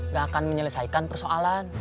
gak akan menyelesaikan persoalan